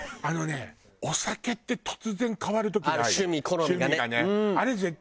あのねお酒って突然変わる時ない？